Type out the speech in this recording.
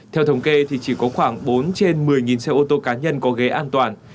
theo thống kê thì chỉ có khoảng bốn trên một mươi xe ô tô cá nhân có ghế an toàn